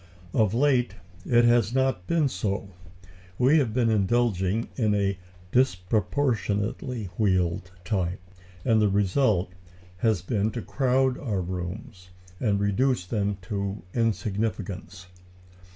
Of late it has not been so; we have been indulging in the "disproportionately wheeled" type, and the result has been to crowd our rooms, and reduce them to insignificance.